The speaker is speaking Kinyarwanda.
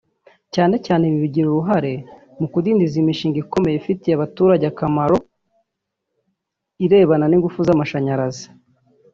cyane cyane ibi bigira uruhare mu kudindiza imishinga ikomeye ifitiye abaturage akamaro irebana n’ingufu z’amashanyarazi